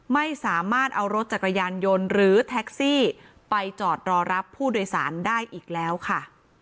ไม่สามารถเอารถจักรยานยนต์หรือแท็กซี่ไปจอดรอรับผู้โดยสารได้อีกแล้วค่ะ